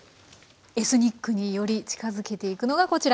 エスニックにより近づけていくのがこちら。